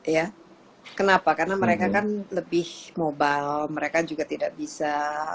ya kenapa karena mereka kan lebih mobile mereka juga tidak bisa